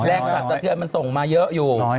แรกกระทะเทือนมันส่งมาเยอะอยู่